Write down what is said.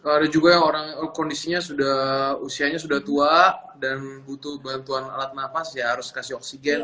ada juga yang orang kondisinya usianya sudah tua dan butuh bantuan alat nafas ya harus kasih oksigen